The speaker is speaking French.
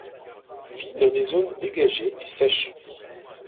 Vit dans des zones dégagées et sèches.